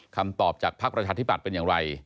คำตอบจากภักดิ์ประชาธิบัตย์เป็นอย่างไร